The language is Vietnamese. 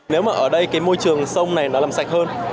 nếu mà ở đây cái môi trường sông này nó làm sạch hơn